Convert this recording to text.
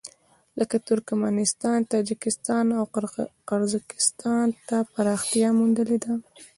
لکه ترکمنستان، تاجکستان او قرغېزستان ته پراختیا موندلې ده.